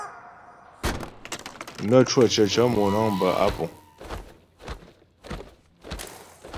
Nə́ cwə̂ cəcə̌ mònə̀ŋ bə́ á púŋ.